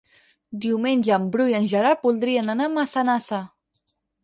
Diumenge en Bru i en Gerard voldrien anar a Massanassa.